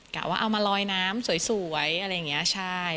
กะว่าเอามาลอยน้ำสวยอะไรอย่างนี้ใช่